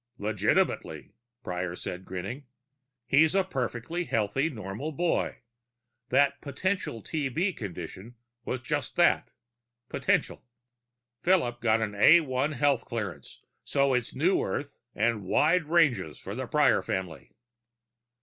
"Legitimately," Prior said, grinning. "He's a perfectly healthy, normal boy. That potential TB condition was just that potential. Philip got an A one health clearance, so it's New Earth and the wide ranges for the Prior family!"